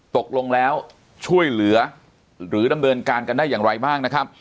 ตกลงแล้วช่วยเหลือหรือดำเนินการกันได้อย่างไรบ้างนะครับ